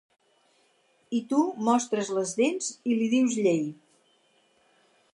I tu mostres les dents i li dius llei.